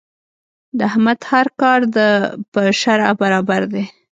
د احمد هر کار د په شرعه برابر دی.